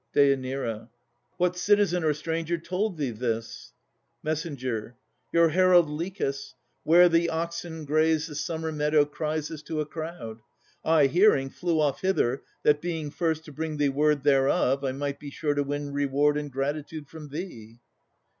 DÊ. What citizen or stranger told thee this? MESS. Your herald Lichas, where the oxen graze The summer meadow, cries this to a crowd. I, hearing, flew off hither, that being first To bring thee word thereof, I might be sure To win reward and gratitude from thee.